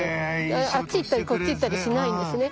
あっち行ったりこっち行ったりしないんですね。